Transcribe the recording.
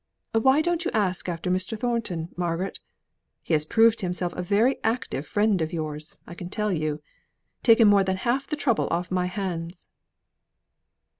Why don't you ask after Mr. Thornton, Margaret? He has proved himself a very active friend of yours, I can tell you. Taken more than half the trouble off my hands."